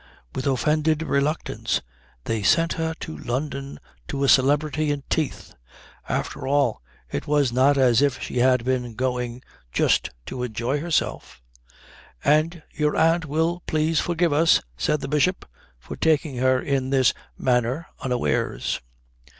With offended reluctance they sent her to London to a celebrity in teeth after all it was not as if she had been going just to enjoy herself "And your aunt will please forgive us," said the Bishop, "for taking her in this manner unawares."